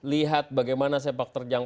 lihat bagaimana sepak terjang